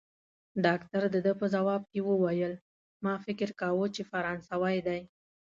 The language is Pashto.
ډاکټر د ده په ځواب کې وویل: ما فکر کاوه، چي فرانسوی دی.